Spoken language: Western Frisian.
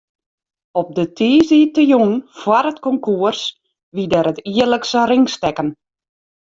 Op de tiisdeitejûn foar it konkoers wie der it jierlikse ringstekken.